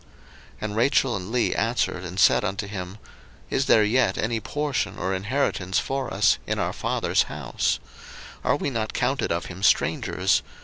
01:031:014 And Rachel and Leah answered and said unto him, Is there yet any portion or inheritance for us in our father's house? 01:031:015 Are we not counted of him strangers?